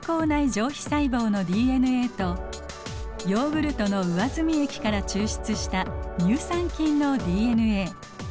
上皮細胞のＤＮＡとヨーグルトの上澄み液から抽出した乳酸菌のＤＮＡ。